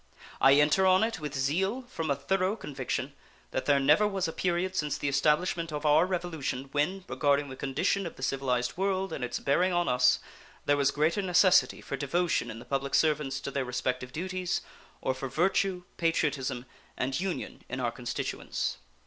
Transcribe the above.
I enter on it with zeal from a thorough conviction that there never was a period since the establishment of our Revolution when, regarding the condition of the civilized world and its bearing on us, there was greater necessity for devotion in the public servants to their respective duties, or for virtue, patriotism, and union in our constituents.